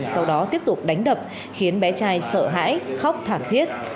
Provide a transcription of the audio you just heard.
sau đó tiếp tục đánh đập khiến bé trai sợ hãi khóc thảm thiết